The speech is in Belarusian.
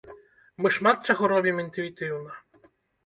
Мы шмат чаго робім інтуітыўна!